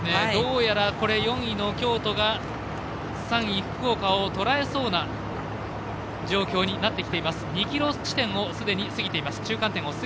どうやら４位の京都が３位、福岡をとらえそうな状況になってきています。